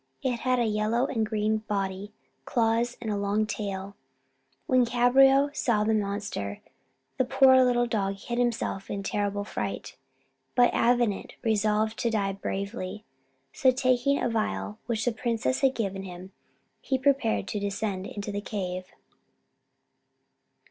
It had a yellow and green body, claws, and a long tail. When Cabriole saw the monster, the poor little dog hid himself in terrible fright. But Avenant resolved to die bravely; so, taking a phial which the princess had given him, he prepared to descend into the cave.